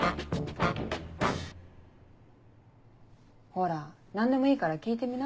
ほら何でもいいから聞いてみな。